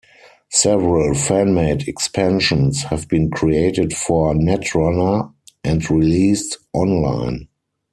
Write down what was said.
Several fan-made expansions have been created for Netrunner, and released online.